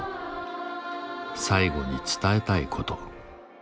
最後に伝えたいこと。